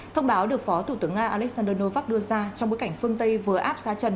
thông báo được phó thủ tướng nga alexander novak đưa ra trong bối cảnh phương tây vừa áp giá trần